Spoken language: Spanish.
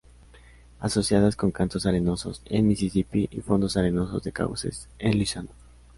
Asociadas con cantos arenosos en Mississippi y fondos arenosos de cauces en Luisiana.